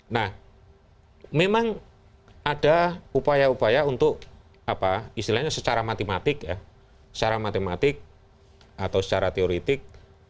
nah memang ada upaya upaya untuk apa istilahnya secara matematik ya secara matematik atau secara teoretik